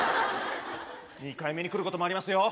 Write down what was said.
２回目にくることもありますよ。